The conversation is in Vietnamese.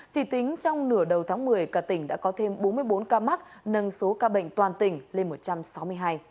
chỉ tính trong nửa đầu tháng một mươi cả tỉnh đã có thêm bốn mươi bốn ca mắc nâng số ca bệnh toàn tỉnh lên một trăm sáu mươi hai ca